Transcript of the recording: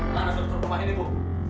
makasih terima kasih ibu